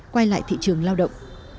quay lại thị trường lao động